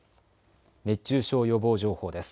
熱中症予防情報です。